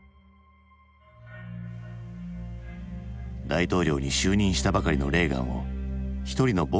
大統領に就任したばかりのレーガンを一人の暴漢が襲った。